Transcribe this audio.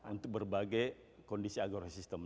untuk berbagai kondisi agro sistem